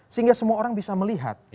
sehingga semua orang bisa melihat